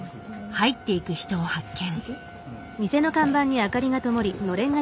入っていく人を発見。